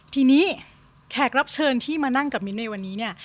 ทีนี้แขกรับเชิญที่มานั่งกับมิ้นในวันนี้เนี่ย